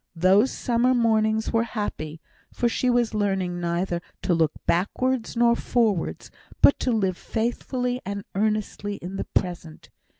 Those summer mornings were happy, for she was learning neither to look backwards nor forwards, but to live faithfully and earnestly in the present.